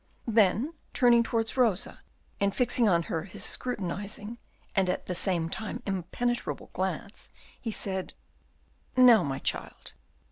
Then, turning towards Rosa, and fixing on her his scrutinising, and at the same time impenetrable glance, he said, "Now, my child."